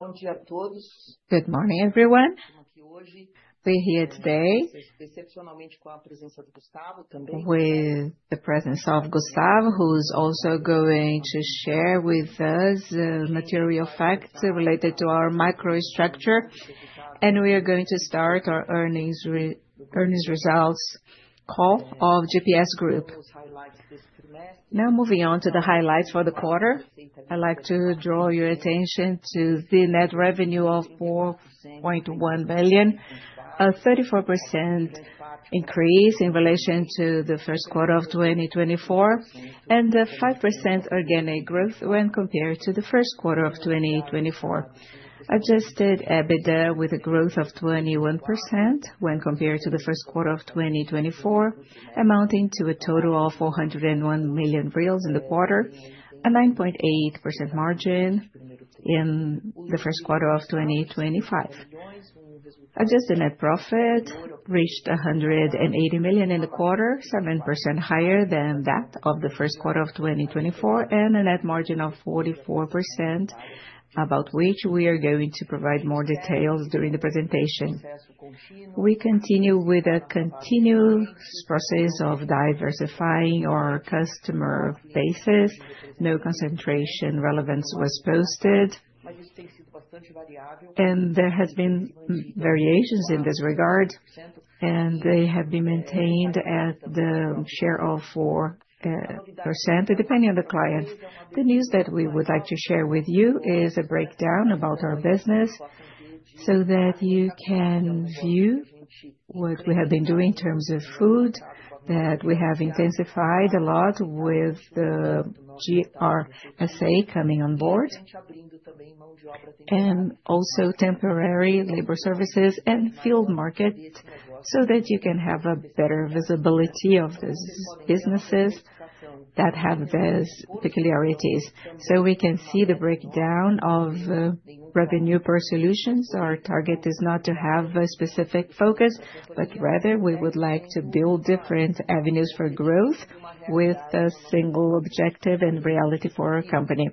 Bom dia a todos. Good morning, everyone. Estamos aqui hoje. We're here today. Excepcionalmente com a presença do Gustavo também. With the presence of Gustavo, who's also going to share with us material facts related to our microstructure. We are going to start our earnings results call of Grupo GPS. Now moving on to the highlights for the quarter, I'd like to draw your attention to the net revenue of 4.1 billion, a 34% increase in relation to the first quarter of 2024, and a 5% organic growth when compared to the first quarter of 2024. Adjusted EBITDA with a growth of 21% when compared to the first quarter of 2024, amounting to a total of 401 million reais in the quarter, a 9.8% margin in the first quarter of 2025. Adjusted net profit reached 180 million in the quarter, 7% higher than that of the first quarter of 2024, and a net margin of 44%, about which we are going to provide more details during the presentation. We continue with a continuous process of diversifying our customer bases. No concentration relevance was posted. There have been variations in this regard, and they have been maintained at the share of 4%, depending on the client. The news that we would like to share with you is a breakdown about our business so that you can view what we have been doing in terms of food, that we have intensified a lot with the GRSA coming on board, and also temporary labor services and field market, so that you can have a better visibility of these businesses that have these peculiarities. We can see the breakdown of revenue per solutions. Our target is not to have a specific focus, but rather we would like to build different avenues for growth with a single objective and reality for our company.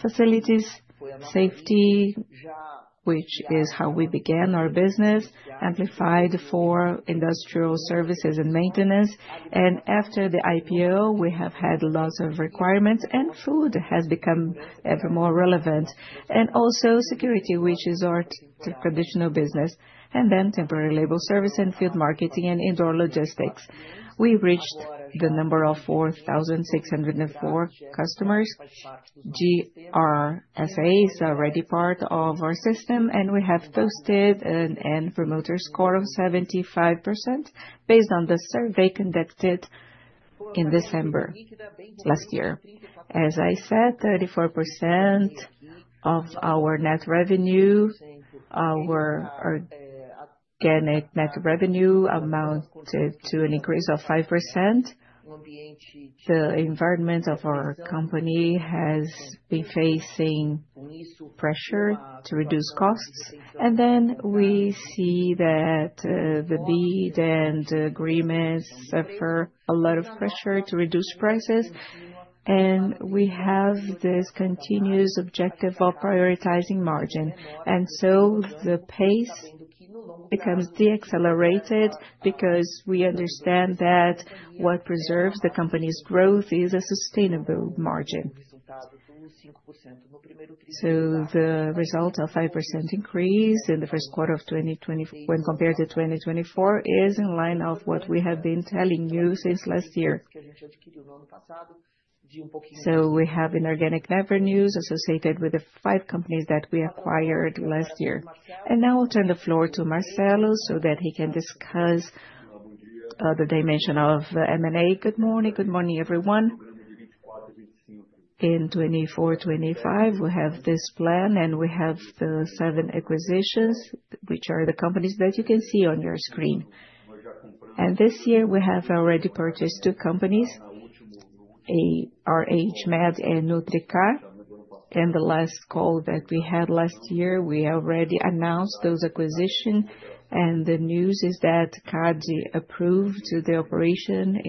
Facilities, safety, which is how we began our business, amplified for industrial services and maintenance. After the IPO, we have had lots of requirements, and food has become ever more relevant. Also, security, which is our traditional business. Temporary labor service and field marketing and indoor logistics. We reached the number of 4,604 customers. GRSA is already part of our system, and we have posted a net promoter score of 75% based on the survey conducted in December last year. As I said, 34% of our net revenue, our organic net revenue amounted to an increase of 5%. The environment of our company has been facing pressure to reduce costs. We see that the BEAD and the agreements suffer a lot of pressure to reduce prices. We have this continuous objective of prioritizing margin. The pace becomes de-accelerated because we understand that what preserves the company's growth is a sustainable margin. The result of a 5% increase in the first quarter of 2024, when compared to 2024, is in line with what we have been telling you since last year. We have inorganic net revenues associated with the five companies that we acquired last year. Now I'll turn the floor to Marcelo so that he can discuss the dimension of M&A. Good morning. Good morning, everyone. In 2024-2025, we have this plan, and we have the seven acquisitions, which are the companies that you can see on your screen. This year, we have already purchased two companies, RH Med and Nutrica. In the last call that we had last year, we already announced those acquisitions. The news is that CADE approved the operation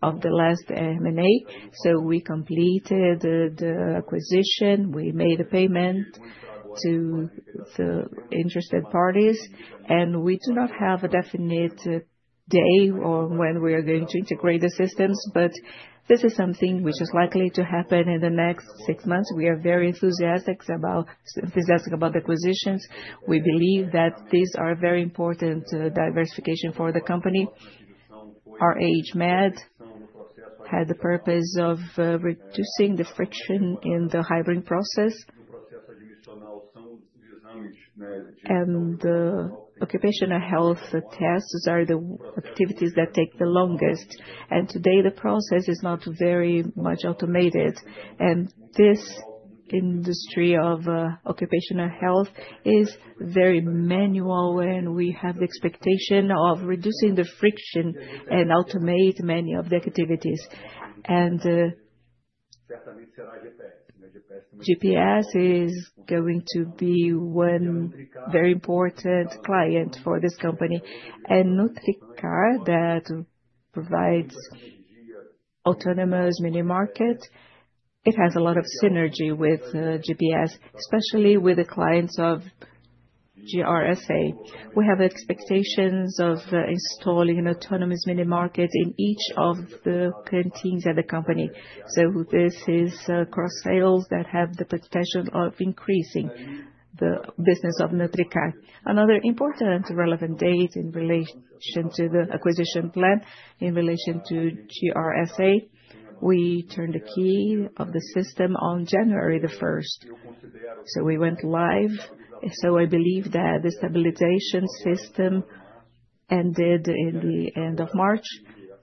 of the last M&A. We completed the acquisition. We made a payment to the interested parties. We do not have a definite day on when we are going to integrate the systems, but this is something which is likely to happen in the next six months. We are very enthusiastic about the acquisitions. We believe that these are very important diversifications for the company. RH Med had the purpose of reducing the friction in the hiring process. Occupational health tests are the activities that take the longest. Today, the process is not very much automated. This industry of occupational health is very manual, and we have the expectation of reducing the friction and automating many of the activities. GPS is going to be one very important client for this company. Nutrica, that provides autonomous mini-markets, has a lot of synergy with GPS, especially with the clients of GRSA. We have expectations of installing an autonomous mini-market in each of the canteens at the company. This is cross-sales that have the potential of increasing the business of Nutrica. Another important relevant date in relation to the acquisition plan in relation to GRSA, we turned the key of the system on January the 1st. We went live. I believe that the stabilization system ended in the end of March.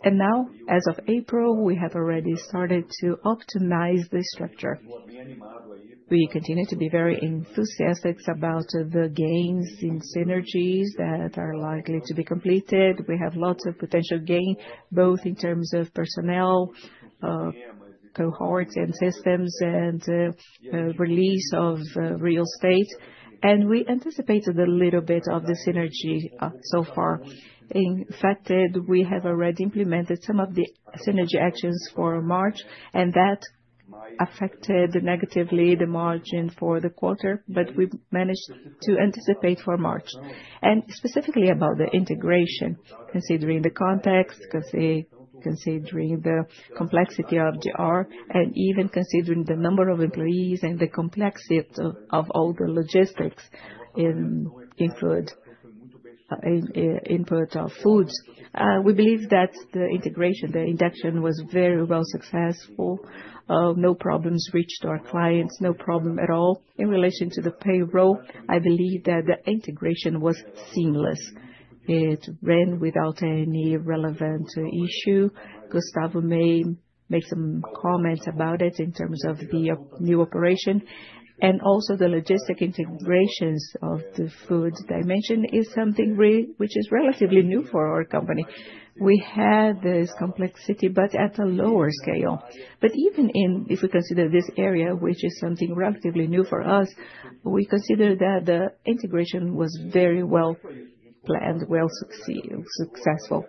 Now, as of April, we have already started to optimize the structure. We continue to be very enthusiastic about the gains in synergies that are likely to be completed. We have lots of potential gain, both in terms of personnel, cohorts, and systems, and release of real estate. We anticipated a little bit of the synergy so far. In fact, we have already implemented some of the synergy actions for March, and that affected negatively the margin for the quarter, but we managed to anticipate for March. Specifically about the integration, considering the context, considering the complexity of GRSA, and even considering the number of employees and the complexity of all the logistics input of foods. We believe that the integration, the induction was very well successful. No problems reached our clients, no problem at all. In relation to the payroll, I believe that the integration was seamless. It ran without any relevant issue. Gustavo may make some comments about it in terms of the new operation. Also, the logistic integrations of the food dimension is something which is relatively new for our company. We had this complexity, but at a lower scale. Even if we consider this area, which is something relatively new for us, we consider that the integration was very well planned, well successful.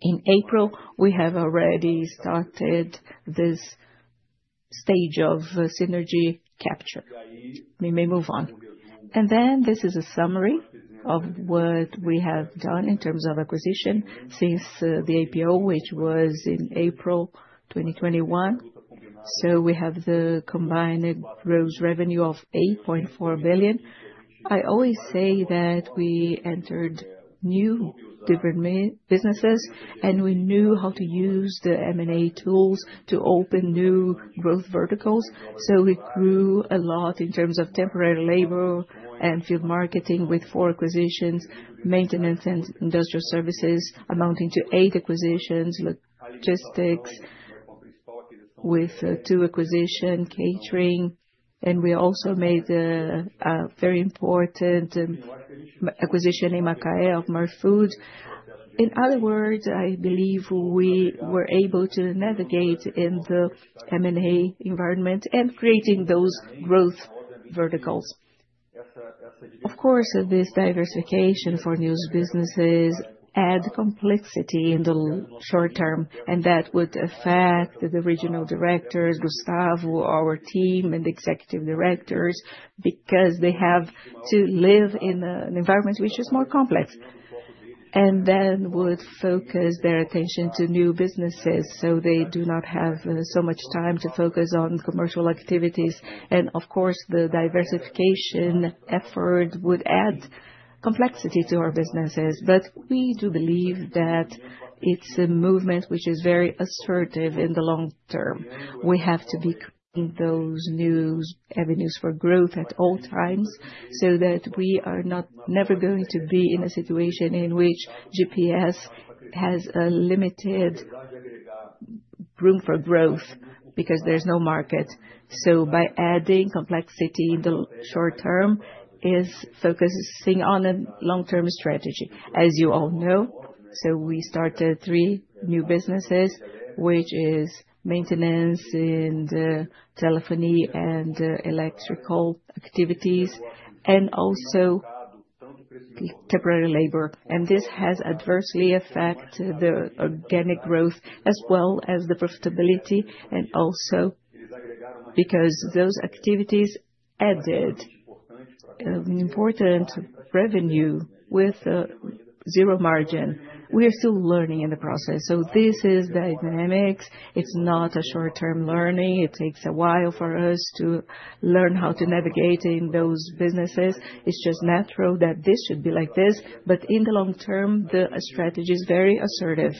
In April, we have already started this stage of synergy capture. We may move on. This is a summary of what we have done in terms of acquisition since the IPO, which was in April 2021. We have the combined gross revenue of 8.4 billion. I always say that we entered new different businesses, and we knew how to use the M&A tools to open new growth verticals. It grew a lot in terms of temporary labor and field marketing with four acquisitions, maintenance and industrial services amounting to eight acquisitions, logistics with two acquisitions, catering. We also made a very important acquisition in Macaé of Merfood. In other words, I believe we were able to navigate in the M&A environment and creating those growth verticals. Of course, this diversification for new businesses adds complexity in the short term, and that would affect the regional directors, Gustavo, our team, and the executive directors because they have to live in an environment which is more complex and then would focus their attention to new businesses. They do not have so much time to focus on commercial activities. Of course, the diversification effort would add complexity to our businesses. We do believe that it's a movement which is very assertive in the long term. We have to be creating those new avenues for growth at all times so that we are never going to be in a situation in which GPS has a limited room for growth because there's no market. By adding complexity in the short term, it's focusing on a long-term strategy, as you all know. We started three new businesses, which are maintenance and telephony and electrical activities, and also temporary labor. This has adversely affected the organic growth as well as the profitability, and also because those activities added important revenue with zero margin. We are still learning in the process. This is dynamic. It's not a short-term learning. It takes a while for us to learn how to navigate in those businesses. It's just natural that this should be like this. In the long term, the strategy is very assertive.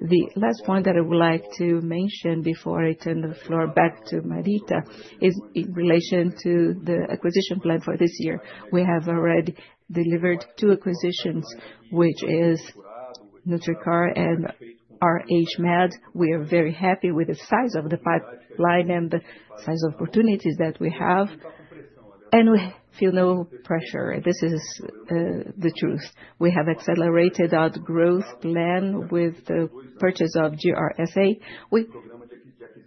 The last point that I would like to mention before I turn the floor back to Marita is in relation to the acquisition plan for this year. We have already delivered two acquisitions, which are Nutrica and RH Med. We are very happy with the size of the pipeline and the size of opportunities that we have. We feel no pressure. This is the truth. We have accelerated our growth plan with the purchase of GRSA. We,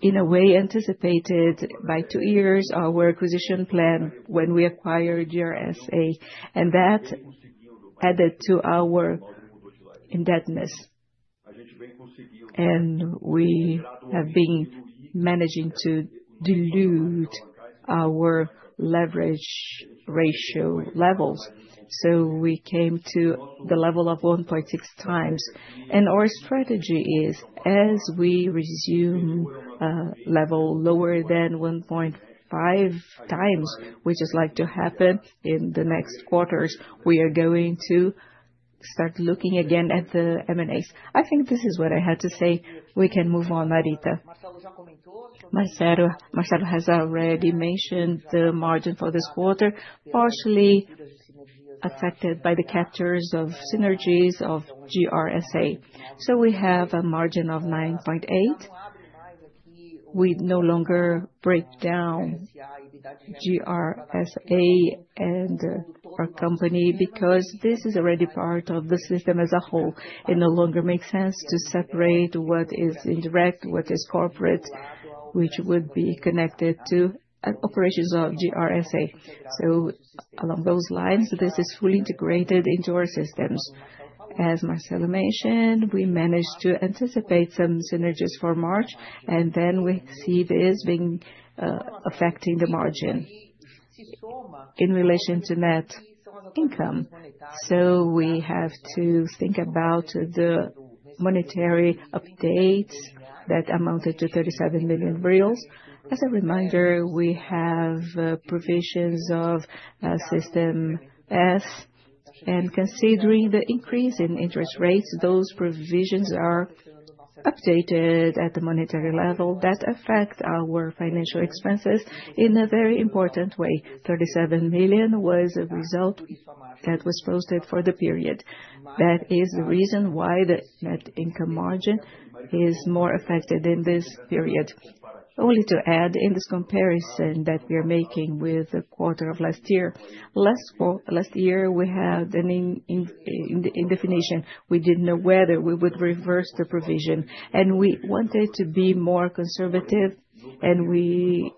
in a way, anticipated by two years our acquisition plan when we acquired GRSA. That added to our indebtedness. We have been managing to dilute our leverage ratio levels. We came to the level of 1.6 times. Our strategy is, as we resume level lower than 1.5 times, which is likely to happen in the next quarters, we are going to start looking again at the M&As. I think this is what I had to say. We can move on, Marita. Marcelo has already mentioned the margin for this quarter, partially affected by the captures of synergies of GRSA. We have a margin of 9.8. We no longer break down GRSA and our company because this is already part of the system as a whole. It no longer makes sense to separate what is indirect, what is corporate, which would be connected to operations of GRSA. Along those lines, this is fully integrated into our systems. As Marcelo mentioned, we managed to anticipate some synergies for March, and we see this being affecting the margin in relation to net income. We have to think about the monetary updates that amounted to 37 million reais. As a reminder, we have provisions of Sistema S. Considering the increase in interest rates, those provisions are updated at the monetary level that affect our financial expenses in a very important way. 37 million was a result that was posted for the period. That is the reason why the net income margin is more affected in this period. Only to add, in this comparison that we are making with the quarter of last year, last year we had an indefinition. We did not know whether we would reverse the provision, and we wanted to be more conservative, and we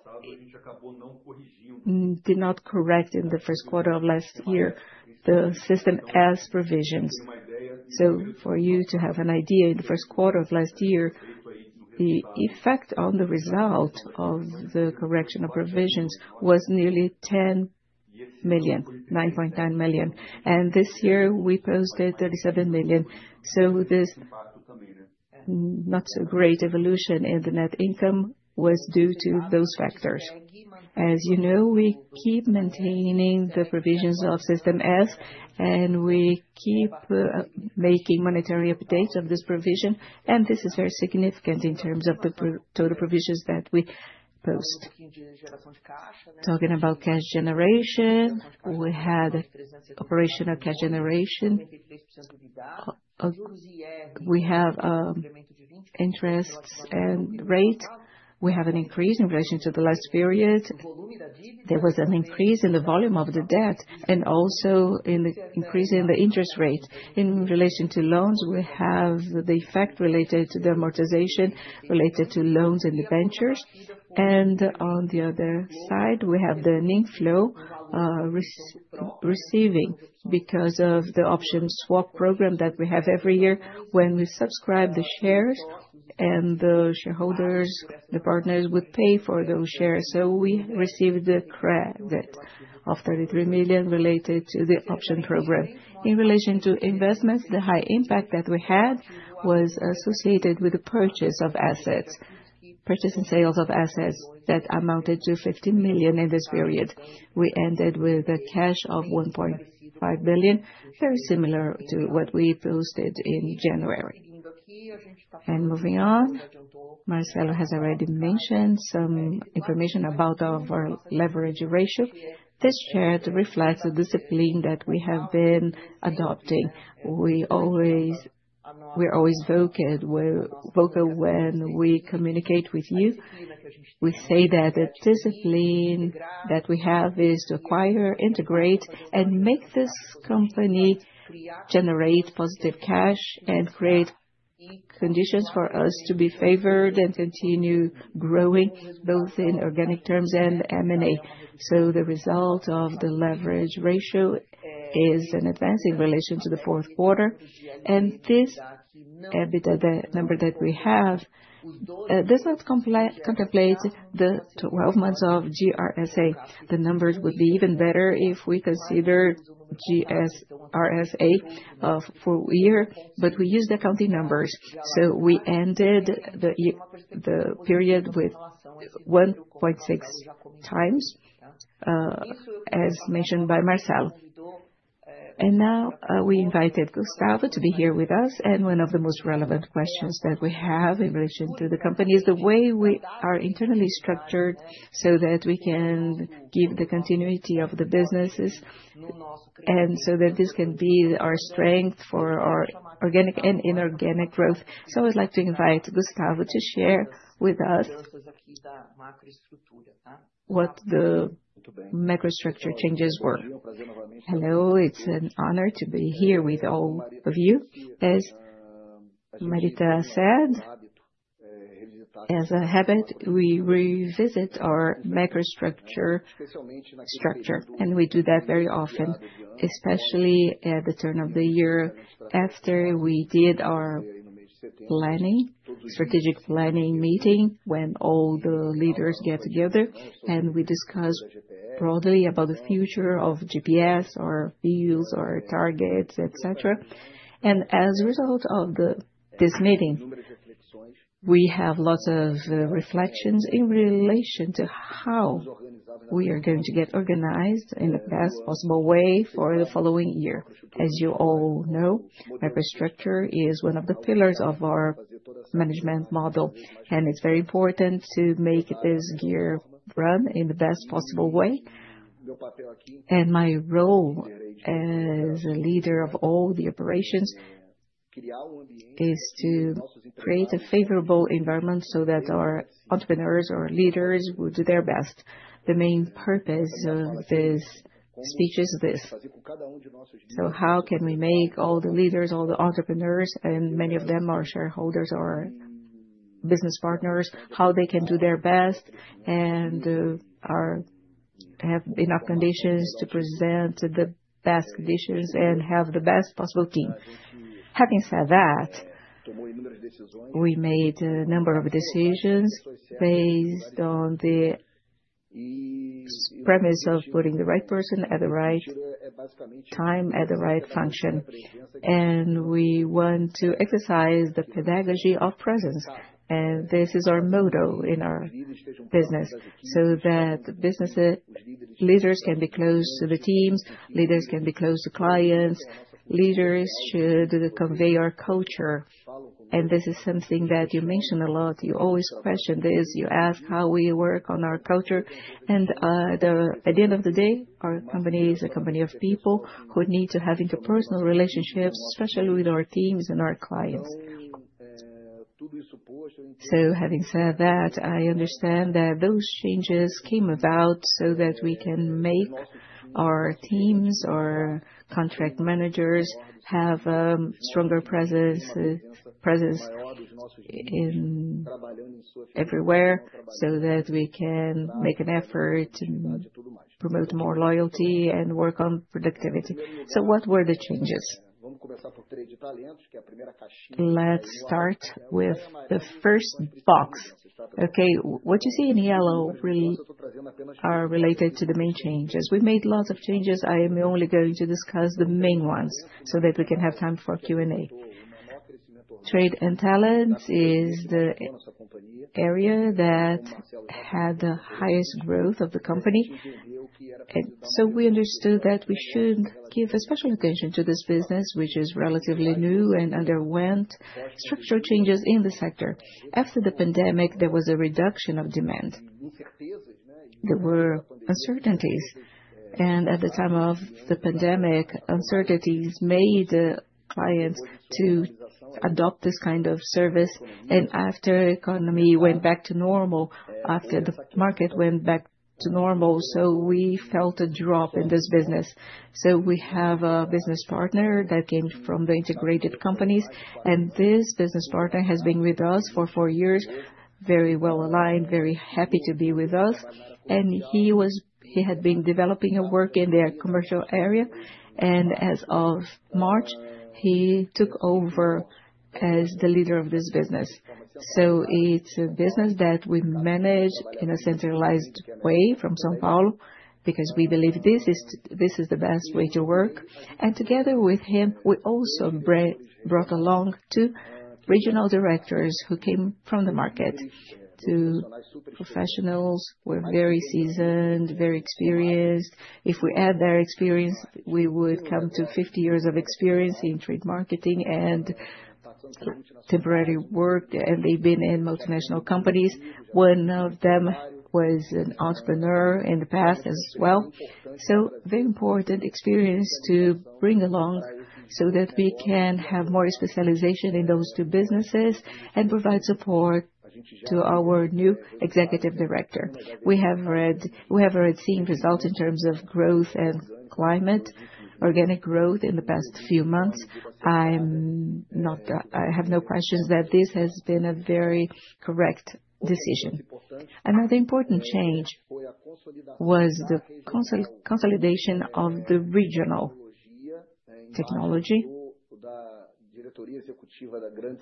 did not correct in the first quarter of last year the Sistema S provisions. For you to have an idea, in the first quarter of last year, the effect on the result of the correction of provisions was nearly 10 million, 9.9 million. This year, we posted 37 million. This not-so-great evolution in the net income was due to those factors. As you know, we keep maintaining the provisions of Sistema S, and we keep making monetary updates of this provision. This is very significant in terms of the total provisions that we post. Talking about cash generation, we had operational cash generation. We have interests and rates. We have an increase in relation to the last period. There was an increase in the volume of the debt and also in the increase in the interest rate. In relation to loans, we have the effect related to the amortization related to loans and the ventures. On the other side, we have the inflow receiving because of the option swap program that we have every year. When we subscribe the shares, the shareholders, the partners would pay for those shares. We received the credit of 33 million related to the option program. In relation to investments, the high impact that we had was associated with the purchase of assets, purchase and sales of assets that amounted to 15 million in this period. We ended with a cash of 1.5 billion, very similar to what we posted in January. Marcelo has already mentioned some information about our leverage ratio. This chart reflects the discipline that we have been adopting. We are always vocal when we communicate with you. We say that the discipline that we have is to acquire, integrate, and make this company generate positive cash and create conditions for us to be favored and continue growing both in organic terms and M&A. The result of the leverage ratio is an advance in relation to the fourth quarter. This number that we have does not contemplate the 12 months of GRSA. The numbers would be even better if we consider GRSA of four years, but we use the company numbers. We ended the period with 1.6 times, as mentioned by Marcelo. Now we invited Gustavo to be here with us. One of the most relevant questions that we have in relation to the company is the way we are internally structured so that we can give the continuity of the businesses and so that this can be our strength for our organic and inorganic growth. I would like to invite Gustavo to share with us what the macrostructure changes were. Hello, it's an honor to be here with all of you. As Marita said, as a habit, we revisit our macrostructure, and we do that very often, especially at the turn of the year after we did our strategic planning meeting when all the leaders get together, and we discuss broadly about the future of GPS, our fields, our targets, etc. As a result of this meeting, we have lots of reflections in relation to how we are going to get organized in the best possible way for the following year. As you all know, macrostructure is one of the pillars of our management model, and it's very important to make this year run in the best possible way. My role as a leader of all the operations is to create a favorable environment so that our entrepreneurs, our leaders will do their best. The main purpose of this speech is this. How can we make all the leaders, all the entrepreneurs, and many of them are shareholders or business partners, how they can do their best and have enough conditions to present the best conditions and have the best possible team? Having said that, we made a number of decisions based on the premise of putting the right person at the right time at the right function. We want to exercise the pedagogy of presence, and this is our motto in our business, so that the business leaders can be close to the teams, leaders can be close to clients. Leaders should convey our culture. This is something that you mentioned a lot. You always question this. You ask how we work on our culture. At the end of the day, our company is a company of people who need to have interpersonal relationships, especially with our teams and our clients. Having said that, I understand that those changes came about so that we can make our teams, our contract managers have a stronger presence everywhere so that we can make an effort to promote more loyalty and work on productivity. What were the changes? Let's start with the first box. What you see in yellow are related to the main changes. We made lots of changes. I am only going to discuss the main ones so that we can have time for Q&A. Trade and talent is the area that had the highest growth of the company. We understood that we should give special attention to this business, which is relatively new and underwent structural changes in the sector. After the pandemic, there was a reduction of demand. There were uncertainties. At the time of the pandemic, uncertainties made clients adopt this kind of service. After the economy went back to normal, after the market went back to normal, we felt a drop in this business. We have a business partner that came from the integrated companies. This business partner has been with us for four years, very well aligned, very happy to be with us. He had been developing a work in their commercial area. As of March, he took over as the leader of this business. It is a business that we manage in a centralized way from São Paulo because we believe this is the best way to work. Together with him, we also brought along two regional directors who came from the market, two professionals who were very seasoned, very experienced. If we add their experience, we would come to 50 years of experience in trade marketing and temporary work. They have been in multinational companies. One of them was an entrepreneur in the past as well. Very important experience to bring along so that we can have more specialization in those two businesses and provide support to our new Executive Director. We have already seen results in terms of growth and climate, organic growth in the past few months. I have no questions that this has been a very correct decision. Another important change was the consolidation of the regional technology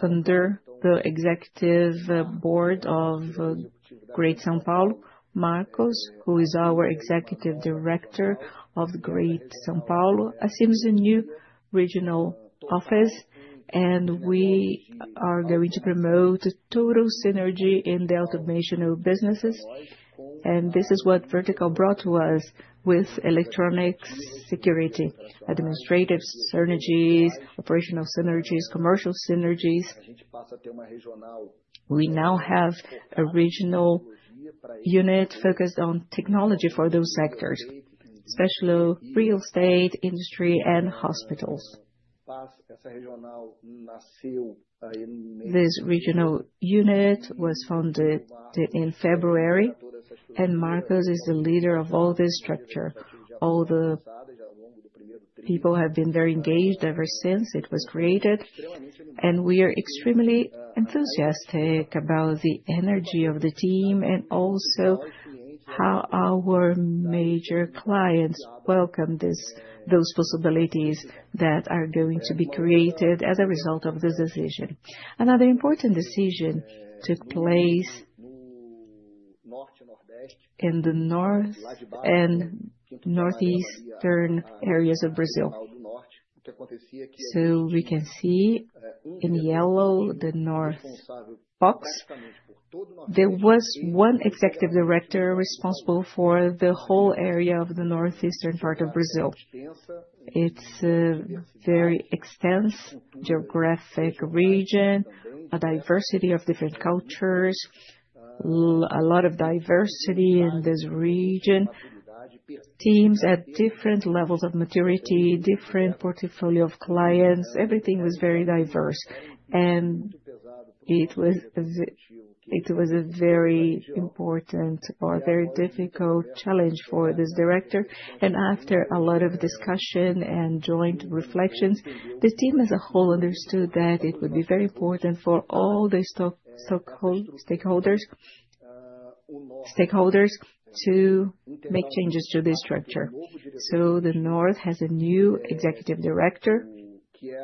under the Executive Board of Great São Paulo. Marcos, who is our Executive Director of Great São Paulo, assumes a new regional office. We are going to promote total synergy in the automation of businesses. This is what Vertical brought to us with electronics security, administrative synergies, operational synergies, commercial synergies. We now have a regional unit focused on technology for those sectors, especially real estate, industry, and hospitals. This regional unit was founded in February, and Marcos is the leader of all this structure. All the people have been very engaged ever since it was created. We are extremely enthusiastic about the energy of the team and also how our major clients welcome those possibilities that are going to be created as a result of this decision. Another important decision took place in the north and northeastern areas of Brazil. We can see in yellow the north box. There was one Executive Director responsible for the whole area of the northeastern part of Brazil. It is a very extensive geographic region, a diversity of different cultures, a lot of diversity in this region, teams at different levels of maturity, different portfolios of clients. Everything was very diverse. It was a very important or very difficult challenge for this director. After a lot of discussion and joint reflections, the team as a whole understood that it would be very important for all the stakeholders to make changes to this structure. The north has a new Executive Director. He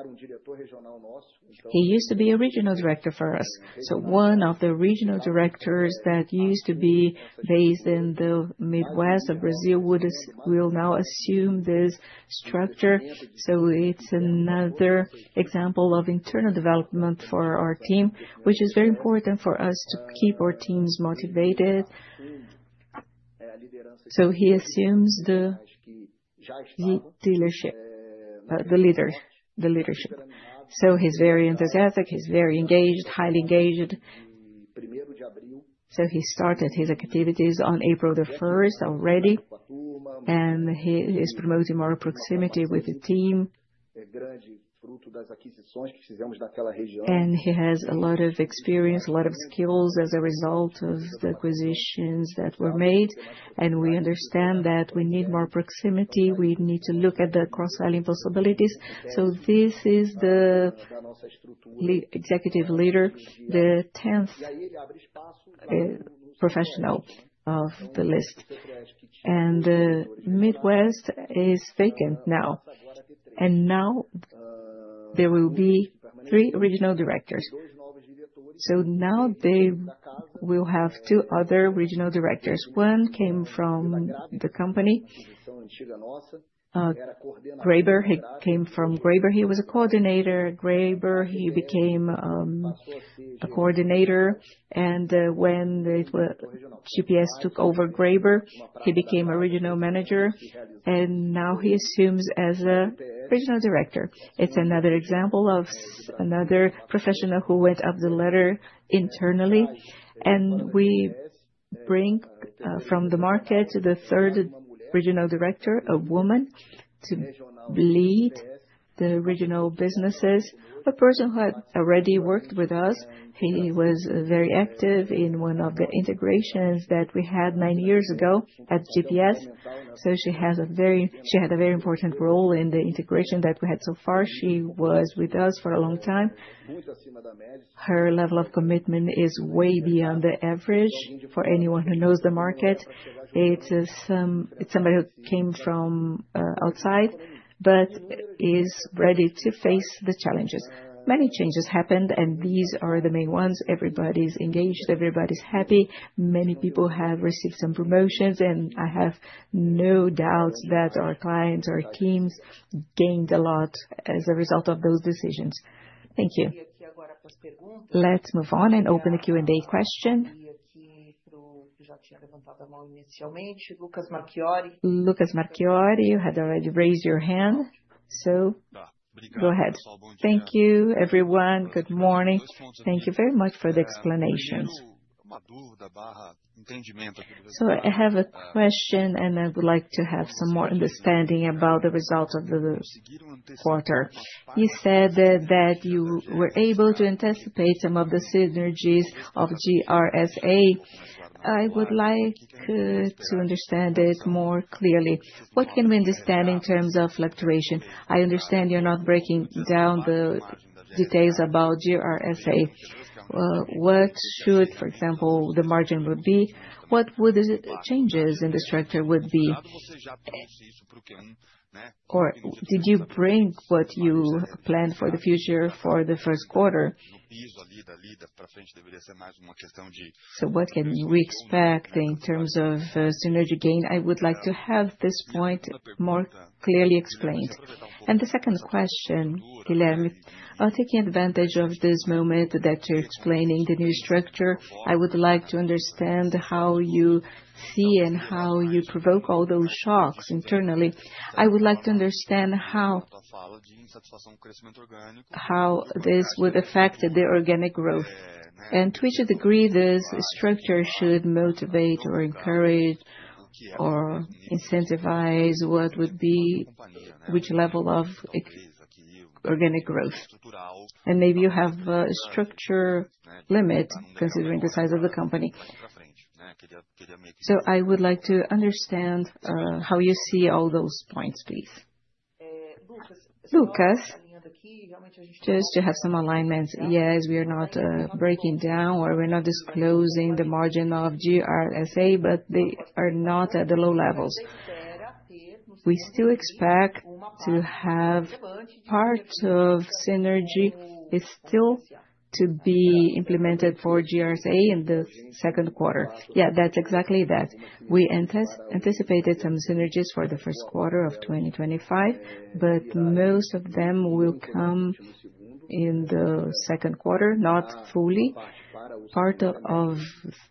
used to be a Regional Director for us. One of the regional directors that used to be based in the Midwest of Brazil will now assume this structure. It is another example of internal development for our team, which is very important for us to keep our teams motivated. He assumes the leadership. He is very enthusiastic. He is very engaged, highly engaged. He started his activities on April the 1st already, and he is promoting more proximity with the team. He has a lot of experience, a lot of skills as a result of the acquisitions that were made. We understand that we need more proximity. We need to look at the cross-selling possibilities. This is the executive leader, the 10th professional of the list. The Midwest is vacant now. Now there will be three regional directors. They will have two other regional directors. One came from the company. Graber, he came from Graber. He was a coordinator. Graber, he became a coordinator. When Grupo GPS took over Graber, he became a regional manager. Now he assumes as a regional director. It is another example of another professional who went up the ladder internally. We bring from the market the third regional director, a woman, to lead the regional businesses, a person who had already worked with us. He was very active in one of the integrations that we had nine years ago at Grupo GPS. She had a very important role in the integration that we had so far. She was with us for a long time. Her level of commitment is way beyond the average for anyone who knows the market. It is somebody who came from outside, but is ready to face the challenges. Many changes happened, and these are the main ones. Everybody's engaged. Everybody's happy. Many people have received some promotions. I have no doubt that our clients, our teams gained a lot as a result of those decisions. Thank you. Let's move on and open the Q&A question. Lucas Marchiori had already raised your hand. Go ahead. Thank you, everyone. Good morning. Thank you very much for the explanations. I have a question, and I would like to have some more understanding about the result of the quarter. You said that you were able to anticipate some of the synergies of GRSA. I would like to understand it more clearly. What can we understand in terms of fluctuation? I understand you're not breaking down the details about GRSA. What should, for example, the margin be? What would the changes in the structure be? Did you bring what you planned for the future for the first quarter? What can we expect in terms of synergy gain? I would like to have this point more clearly explained. The second question, Guilherme, taking advantage of this moment that you're explaining the new structure, I would like to understand how you see and how you provoke all those shocks internally. I would like to understand how this would affect the organic growth and to which degree this structure should motivate or encourage or incentivize what would be which level of organic growth. Maybe you have a structure limit considering the size of the company. I would like to understand how you see all those points, please. Lucas, just to have some alignments. Yes, we are not breaking down or we are not disclosing the margin of GRSA, but they are not at the low levels. We still expect to have part of synergies still to be implemented for GRSA in the second quarter. Yeah, that is exactly that. We anticipated some synergies for the first quarter of 2025, but most of them will come in the second quarter, not fully. Part of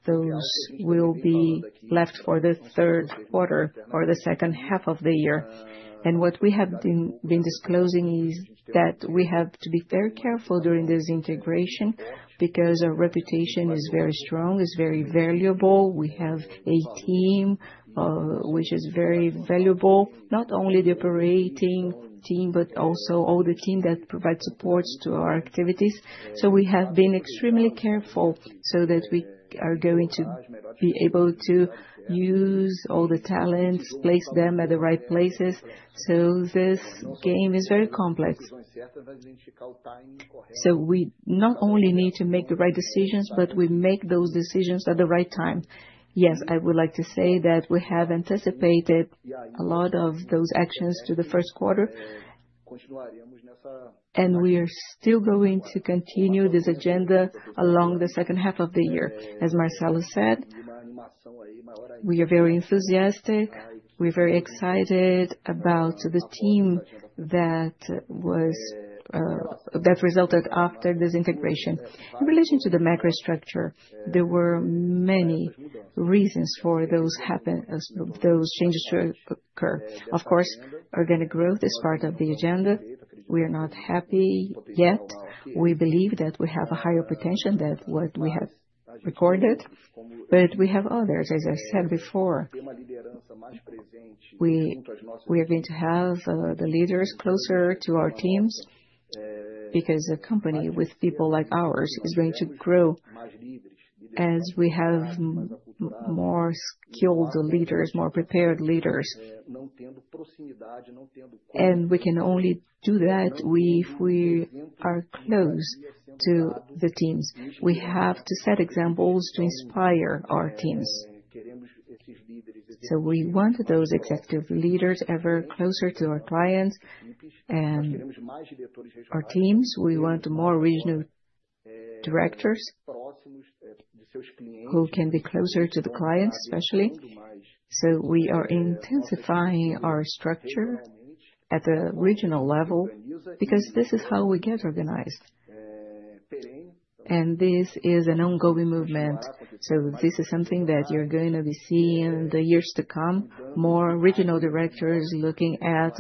those will be left for the third quarter or the second half of the year. What we have been disclosing is that we have to be very careful during this integration because our reputation is very strong, is very valuable. We have a team which is very valuable, not only the operating team, but also all the team that provides support to our activities. We have been extremely careful so that we are going to be able to use all the talents, place them at the right places. This game is very complex. We not only need to make the right decisions, but we make those decisions at the right time. Yes, I would like to say that we have anticipated a lot of those actions to the first quarter. We are still going to continue this agenda along the second half of the year. As Marcelo said, we are very enthusiastic. We're very excited about the team that resulted after this integration. In relation to the macro structure, there were many reasons for those changes to occur. Of course, organic growth is part of the agenda. We are not happy yet. We believe that we have a higher potential than what we have recorded. We have others, as I said before. We are going to have the leaders closer to our teams because a company with people like ours is going to grow as we have more skilled leaders, more prepared leaders. We can only do that if we are close to the teams. We have to set examples to inspire our teams. We want those executive leaders ever closer to our clients and our teams. We want more regional directors who can be closer to the clients, especially. We are intensifying our structure at the regional level because this is how we get organized. This is an ongoing movement. This is something that you're going to be seeing in the years to come, more regional directors looking at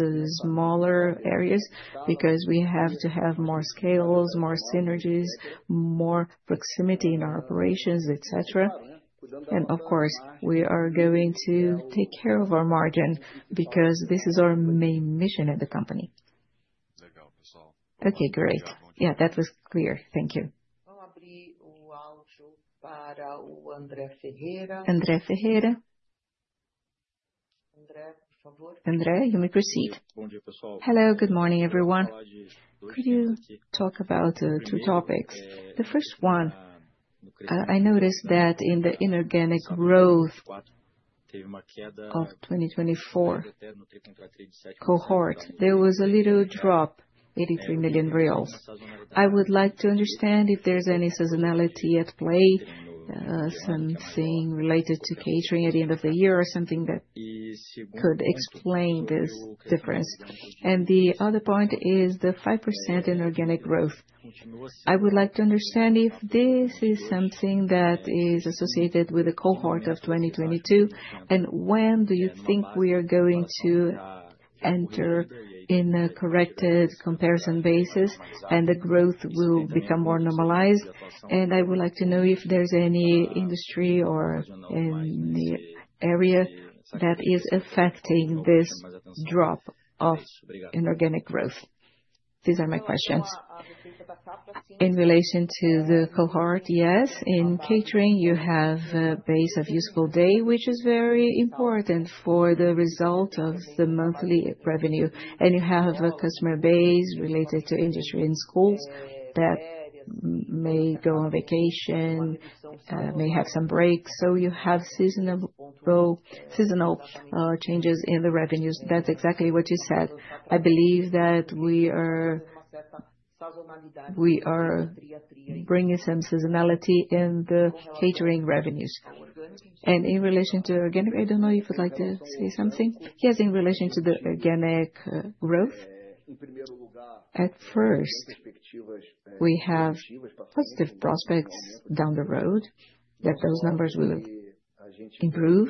smaller areas because we have to have more scales, more synergies, more proximity in our operations, etc. Of course, we are going to take care of our margin because this is our main mission at the company. Okay, great. Yeah, that was clear. Thank you. André Ferreira. André, you may proceed. Hello, good morning, everyone. Could you talk about two topics? The first one, I noticed that in the inorganic growth of the 2024 cohort, there was a little drop, 83 million reais. I would like to understand if there is any seasonality at play, something related to catering at the end of the year or something that could explain this difference. The other point is the 5% in organic growth. I would like to understand if this is something that is associated with the cohort of 2022, and when do you think we are going to enter in a corrected comparison basis and the growth will become more normalized? I would like to know if there's any industry or any area that is affecting this drop of inorganic growth. These are my questions. In relation to the cohort, yes, in catering, you have a base of useful day, which is very important for the result of the monthly revenue. You have a customer base related to industry and schools that may go on vacation, may have some breaks. You have seasonal changes in the revenues. That's exactly what you said. I believe that we are bringing some seasonality in the catering revenues. In relation to organic, I don't know if you'd like to say something. Yes, in relation to the organic growth, at first, we have positive prospects down the road that those numbers will improve,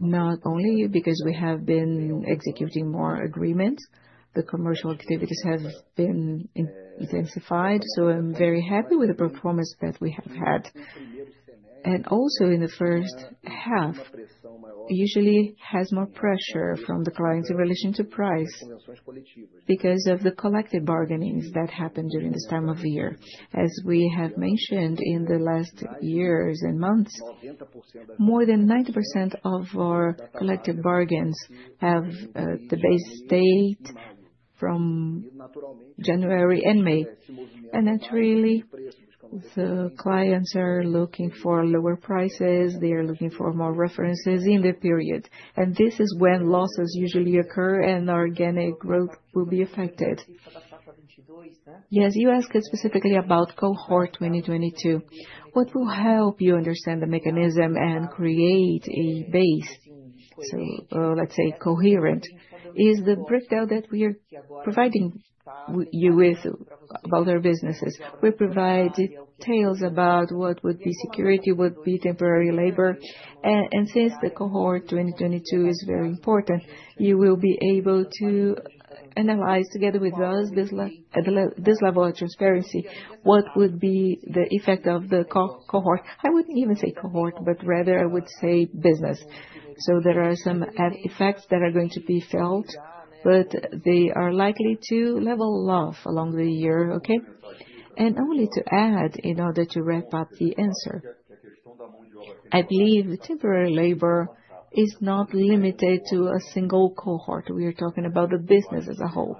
not only because we have been executing more agreements. The commercial activities have been intensified. I am very happy with the performance that we have had. Also, in the first half, there is usually more pressure from the clients in relation to price because of the collective bargaining that happens during this time of year. As we have mentioned in the last years and months, more than 90% of our collective bargains have the base date from January and May. Naturally, the clients are looking for lower prices. They are looking for more references in the period. This is when losses usually occur and organic growth will be affected. Yes, you asked specifically about cohort 2022. What will help you understand the mechanism and create a base? Let's say cohort is the breakdown that we are providing you with about our businesses. We provide details about what would be security, what would be temporary labor. Since the cohort 2022 is very important, you will be able to analyze together with us this level of transparency, what would be the effect of the cohort. I would not even say cohort, but rather I would say business. There are some effects that are going to be felt, but they are likely to level off along the year, okay? Only to add, in order to wrap up the answer, I believe temporary labor is not limited to a single cohort. We are talking about the business as a whole.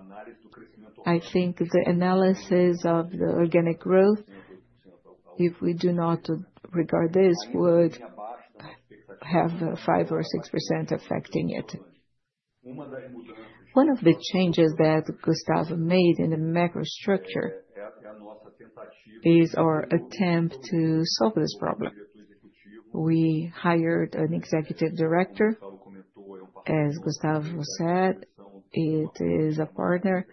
I think the analysis of the organic growth, if we do not regard this, would have 5% or 6% affecting it. One of the changes that Gustavo made in the macro structure is our attempt to solve this problem. We hired an Executive Director, as Gustavo said. It is a partner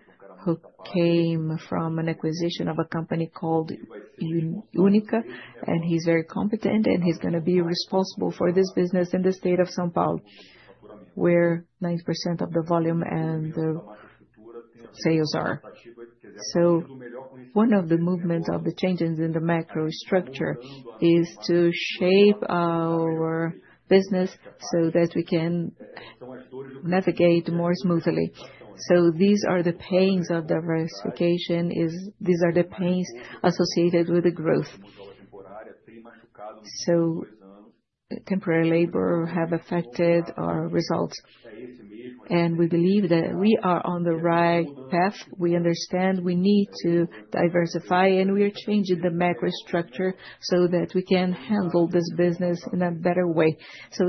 who came from an acquisition of a company called Unica, and he's very competent, and he's going to be responsible for this business in the state of São Paulo, where 90% of the volume and the sales are. One of the movements of the changes in the macro structure is to shape our business so that we can navigate more smoothly. These are the pains of diversification. These are the pains associated with the growth. Temporary labor has affected our results. We believe that we are on the right path. We understand we need to diversify, and we are changing the macro structure so that we can handle this business in a better way.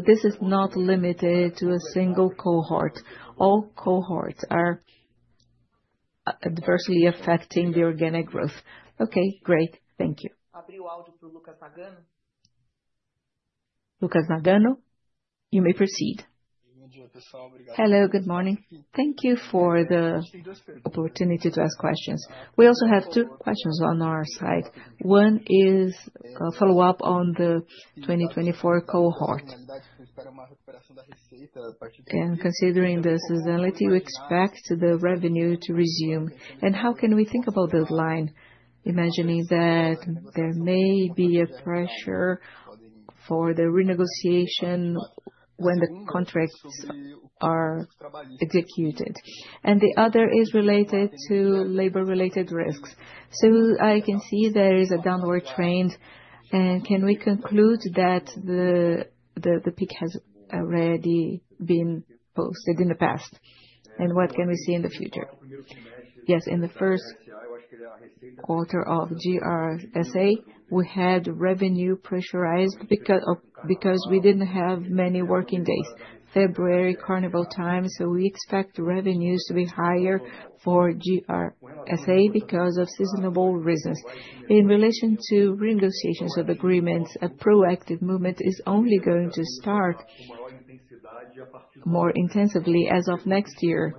This is not limited to a single cohort. All cohorts are adversely affecting the organic growth. Okay, great. Thank you. Lucas Nagano, you may proceed. Hello, good morning. Thank you for the opportunity to ask questions. We also have two questions on our side. One is a follow-up on the 2024 cohort. Considering the seasonality, do you expect the revenue to resume? How can we think about the line imagining that there may be a pressure for the renegotiation when the contracts are executed? The other is related to labor-related risks. I can see there is a downward trend. Can we conclude that the peak has already been posted in the past? What can we see in the future? Yes, in the first quarter of GRSA, we had revenue pressurized because we did not have many working days, February carnival time. We expect revenues to be higher for GRSA because of seasonable reasons. In relation to renegotiations of agreements, a proactive movement is only going to start more intensively as of next year.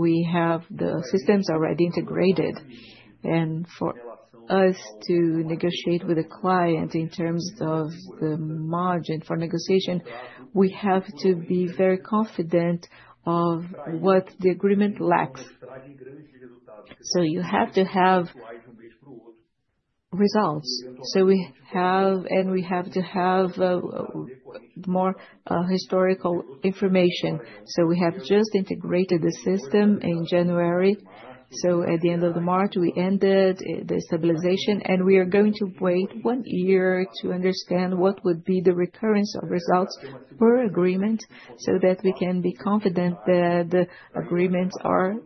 We have the systems already integrated. For us to negotiate with a client in terms of the margin for negotiation, we have to be very confident of what the agreement lacks. You have to have results. We have to have more historical information. We have just integrated the system in January. At the end of March, we ended the stabilization, and we are going to wait one year to understand what would be the recurrence of results per agreement so that we can be confident that the agreements are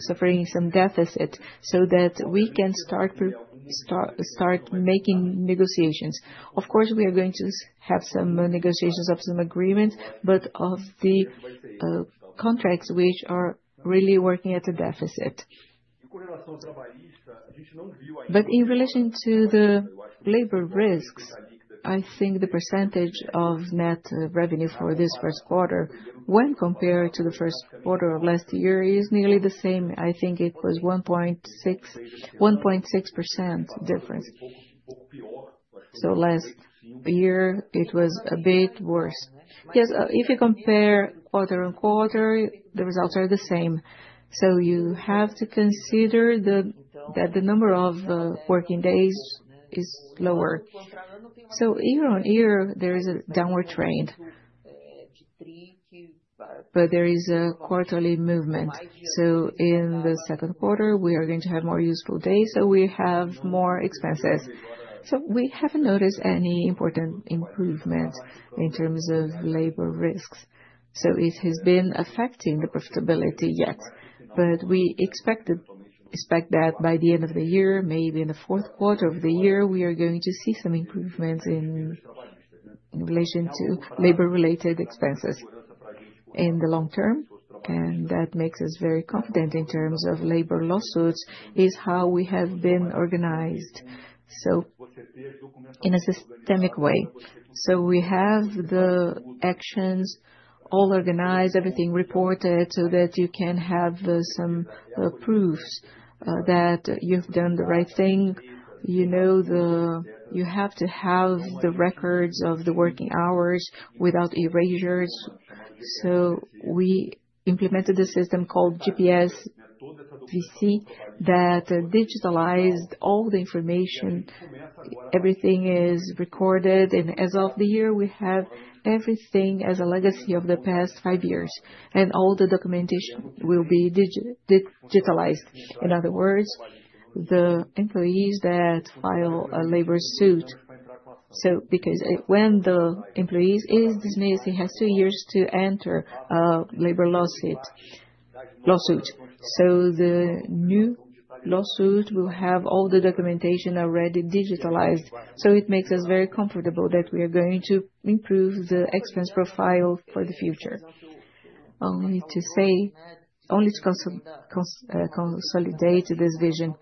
suffering some deficit so that we can start making negotiations. Of course, we are going to have some negotiations of some agreements, but of the contracts which are really working at a deficit. In relation to the labor risks, I think the percentage of net revenue for this first quarter, when compared to the first quarter of last year, is nearly the same. I think it was a 1.6% difference. Last year, it was a bit worse. Yes, if you compare quarter on quarter, the results are the same. You have to consider that the number of working days is lower. Year on year, there is a downward trend, but there is a quarterly movement. In the second quarter, we are going to have more useful days, so we have more expenses. We have not noticed any important improvements in terms of labor risks. It has been affecting the profitability yet, but we expect that by the end of the year, maybe in the fourth quarter of the year, we are going to see some improvements in relation to labor-related expenses in the long term. That makes us very confident in terms of labor lawsuits is how we have been organized in a systemic way. We have the actions all organized, everything reported so that you can have some proofs that you have done the right thing. You have to have the records of the working hours without erasures. We implemented a system called GPS VC that digitalized all the information. Everything is recorded. As of the year, we have everything as a legacy of the past five years, and all the documentation will be digitalized. In other words, the employees that file a labor suit, so because when the employee is dismissed, he has two years to enter a labor lawsuit. The new lawsuit will have all the documentation already digitalized. It makes us very comfortable that we are going to improve the expense profile for the future. Only to consolidate this vision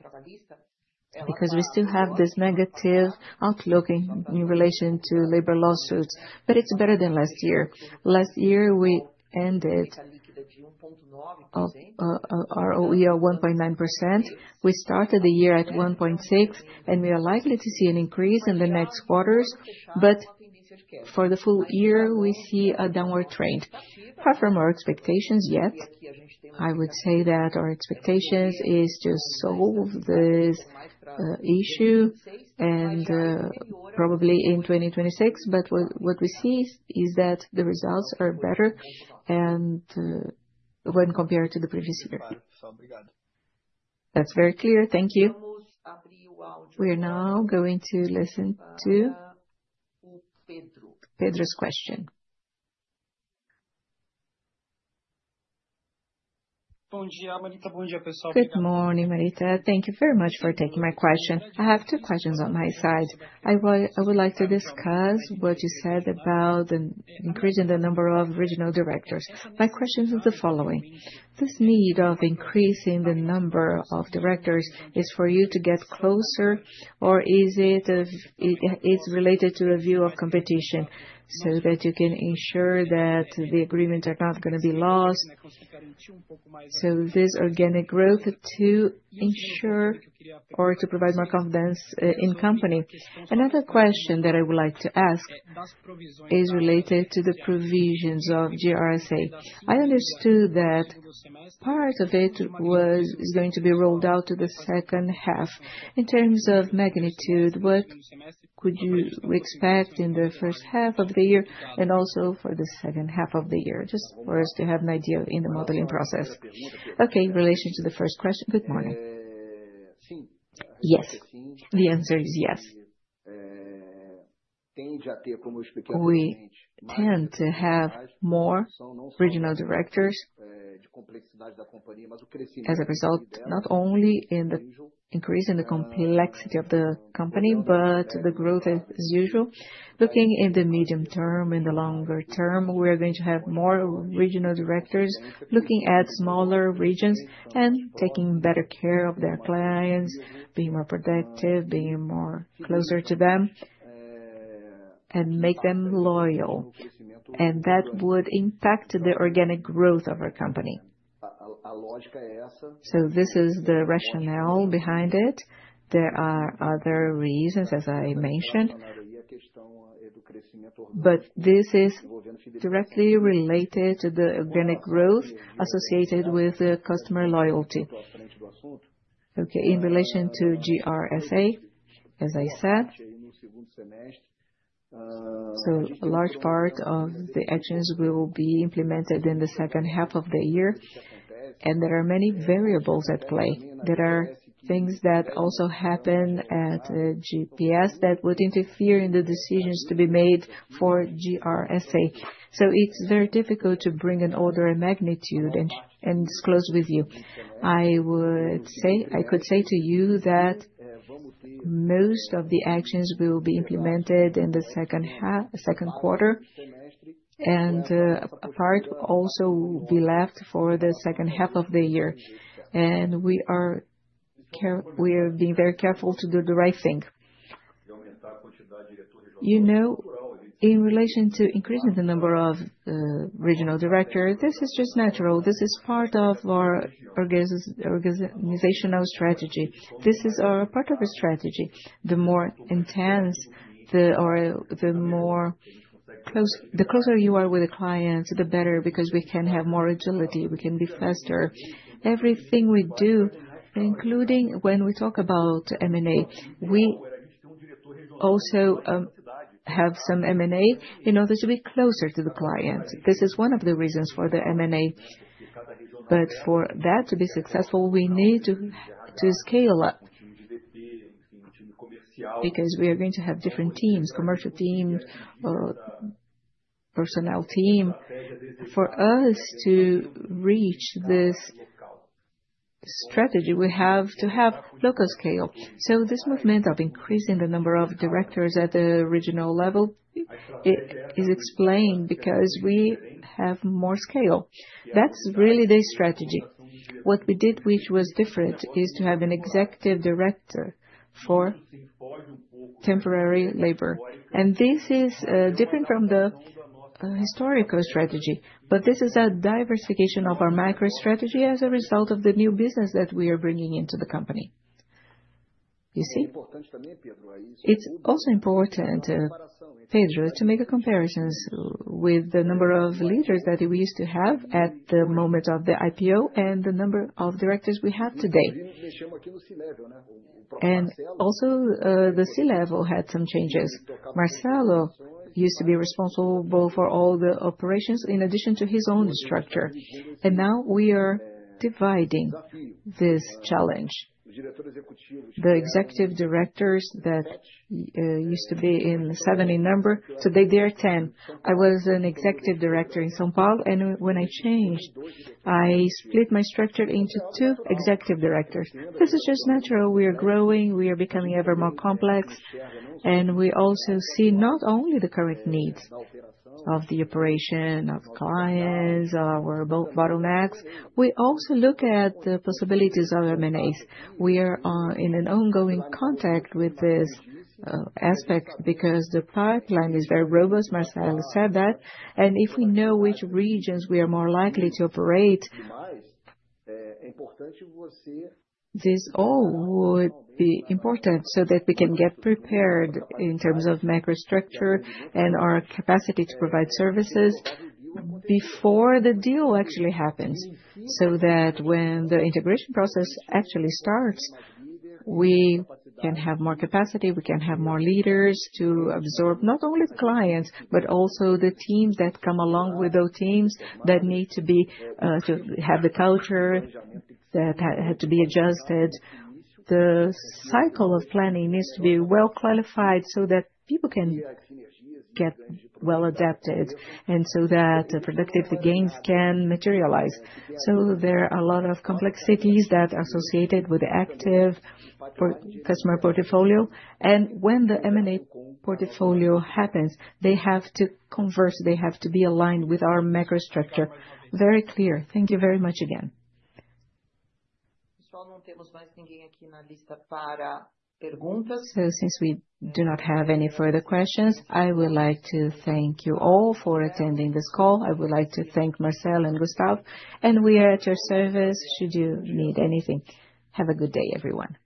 because we still have this negative outlook in relation to labor lawsuits, but it is better than last year. Last year, we ended our OER at 1.9%. We started the year at 1.6%, and we are likely to see an increase in the next quarters. For the full year, we see a downward trend. Far from our expectations yet. I would say that our expectation is to solve this issue probably in 2026, but what we see is that the results are better when compared to the previous year. That's very clear. Thank you. We are now going to listen to Pedro's question. Good morning, Marita. Thank you very much for taking my question. I have two questions on my side. I would like to discuss what you said about increasing the number of regional directors. My question is the following. This need of increasing the number of directors is for you to get closer, or is it related to a view of competition so that you can ensure that the agreements are not going to be lost? So this organic growth to ensure or to provide more confidence in company. Another question that I would like to ask is related to the provisions of GRSA. I understood that part of it is going to be rolled out to the second half. In terms of magnitude, what could you expect in the first half of the year and also for the second half of the year? Just for us to have an idea in the modeling process. Okay, in relation to the first question, good morning. Yes, the answer is yes. We tend to have more regional directors as a result, not only in the increase in the complexity of the company, but the growth as usual. Looking in the medium term, in the longer term, we are going to have more regional directors looking at smaller regions and taking better care of their clients, being more productive, being closer to them, and make them loyal. That would impact the organic growth of our company. This is the rationale behind it. There are other reasons, as I mentioned, but this is directly related to the organic growth associated with customer loyalty. Okay, in relation to GRSA, as I said, a large part of the actions will be implemented in the second half of the year. There are many variables at play. There are things that also happen at GPS that would interfere in the decisions to be made for GRSA. It is very difficult to bring in order and magnitude and disclose with you. I would say I could say to you that most of the actions will be implemented in the second quarter, and a part will also be left for the second half of the year. We are being very careful to do the right thing. You know, in relation to increasing the number of regional directors, this is just natural. This is part of our organizational strategy. This is part of our strategy. The more intense, the closer you are with a client, the better, because we can have more agility. We can be faster. Everything we do, including when we talk about M&A, we also have some M&A in order to be closer to the client. This is one of the reasons for the M&A. For that to be successful, we need to scale up because we are going to have different teams, commercial teams, personnel teams. For us to reach this strategy, we have to have local scale. This movement of increasing the number of directors at the regional level is explained because we have more scale. That is really the strategy. What we did, which was different, is to have an Executive Director for temporary labor. This is different from the historical strategy, but this is a diversification of our macro strategy as a result of the new business that we are bringing into the company. You see? It is also important, Pedro, to make a comparison with the number of leaders that we used to have at the moment of the IPO and the number of directors we have today. Also, the C-level had some changes. Marcelo used to be responsible for all the operations in addition to his own structure. Now we are dividing this challenge. The executive directors that used to be seven in number, today they are 10. I was an executive director in São Paulo, and when I changed, I split my structure into two executive directors. This is just natural. We are growing. We are becoming ever more complex. We also see not only the current needs of the operation, of clients, of our bottlenecks. We also look at the possibilities of M&As. We are in an ongoing contact with this aspect because the pipeline is very robust. Marcelo said that. If we know which regions we are more likely to operate, this all would be important so that we can get prepared in terms of macro structure and our capacity to provide services before the deal actually happens. When the integration process actually starts, we can have more capacity. We can have more leaders to absorb not only clients, but also the teams that come along with those teams that need to have the culture that had to be adjusted. The cycle of planning needs to be well qualified so that people can get well adapted and so that productivity gains can materialize. There are a lot of complexities that are associated with the active customer portfolio. When the M&A portfolio happens, they have to convert. They have to be aligned with our macro structure. Very clear. Thank you very much again. Since we do not have any further questions, I would like to thank you all for attending this call. I would like to thank Marcelo and Gustavo. We are at your service should you need anything. Have a good day, everyone.